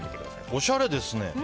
おしゃれですね。